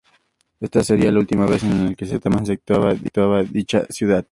Esta sería la última vez que el certamen se efectuaba en dicha ciudad.